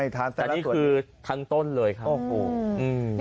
แต่นี่คือทั้งต้นเลยครับ